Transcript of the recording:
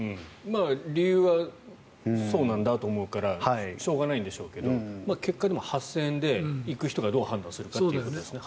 理由はそうなんだと思うからしょうがないんでしょうけど結果、でも８０００円で行く人がどう判断するかということですよね。